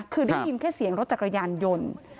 คือได้ยินแค่เสียงรถจักรยานยนต์